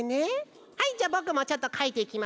はいじゃあぼくもちょっとかいていきますよ。